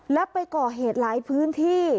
และไปก่อเหตุหลายพื้นที่